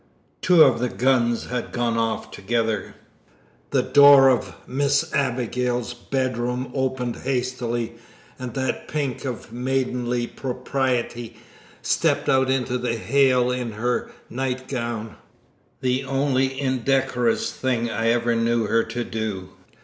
two of the guns had gone off together. The door of Miss Abigail's bedroom opened hastily, and that pink of maidenly propriety stepped out into the hail in her night gown the only indecorous thing I ever knew her to do.